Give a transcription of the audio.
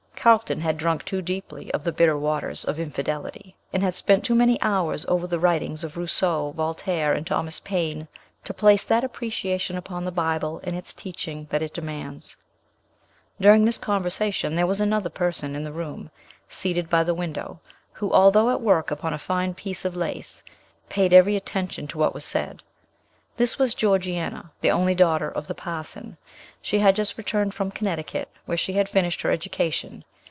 Carlton had drunk too deeply of the bitter waters of infidelity, and had spent too many hours over the writings of Rousseau, Voltaire, and Thomas Paine, to place that appreciation upon the Bible and its teachings that it demands. During this conversation there was another person in the room, seated by the window, who, although at work upon a fine piece of lace, paid every attention to what was said. This was Georgiana, the only daughter of the parson. She had just returned from Connecticut, where she had finished her education.